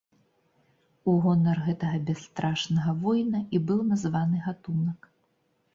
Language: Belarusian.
У гонар гэтага бясстрашнага воіна і быў названы гатунак.